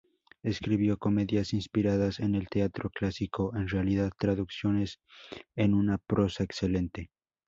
Escribió comedias inspiradas en el teatro clásico, en realidad traducciones en una prosa excelente.